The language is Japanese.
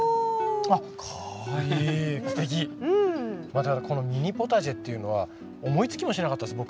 またこのミニポタジェっていうのは思いつきもしなかったです